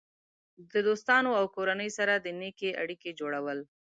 د دوستانو او کورنۍ سره د نیکې اړیکې جوړول.